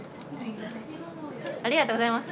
・ありがとうございます。